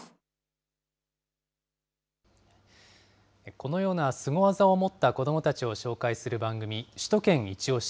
このようなスゴ技を持った子どもたちを紹介する番組、首都圏いちオシ！